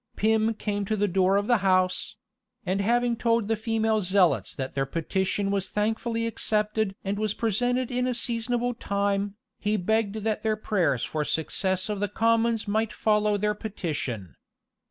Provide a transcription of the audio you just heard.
Pym came to the door of the house; and having told the female zealots that their petition was thankfully accepted and was presented in a seasonable time, he begged that their prayers for the success of the commons might follow their petition.